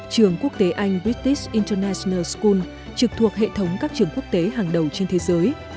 trường quốc tế anh british international school trực thuộc hệ thống các trường quốc tế hàng đầu trên thế giới